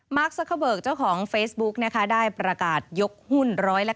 มาร์คซัครเบิร์กเจ้าของเฟซบุ๊กได้ประกาศยกหุ้น๑๙๙